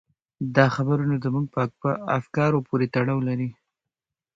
دا خبره نو زموږ په افکارو پورې تړاو لري.